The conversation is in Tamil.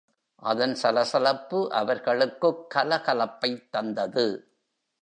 அதன் சலசலப்பு அவர்களுக்குக் கலகலப்பைத் தந்தது.